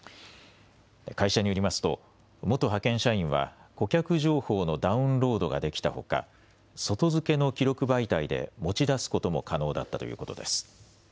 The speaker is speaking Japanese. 会社によりますと元派遣社員は顧客情報のダウンロードができたほか、外付けの記録媒体で持ち出すことも可能だったということです。